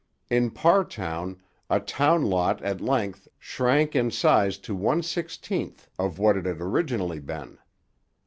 In Parrtown a town lot at length shrank in size to one sixteenth of what it had originally been.